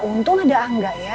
untung ada angga ya